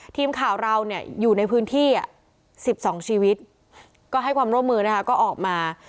ทีมข่าวเราเนี่ยอยู่ในพื้นที่๑๒ชีวิตก็ให้ความร่วมมือนะคะก็ออกมา